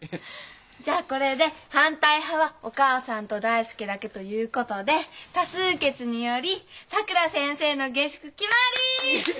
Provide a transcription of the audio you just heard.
じゃあこれで反対派はお母さんと大介だけということで多数決によりさくら先生の下宿決まり！